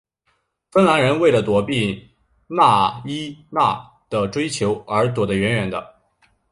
芬兰人为了躲避纳伊娜的追求而躲得远远的。